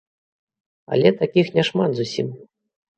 Але такіх няшмат зусім.